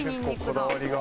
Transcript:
結構こだわりが。